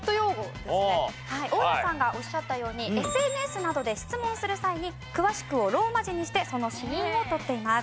大家さんがおっしゃったようにＳＮＳなどで質問する際に「詳しく」をローマ字にしてその子音を取っています。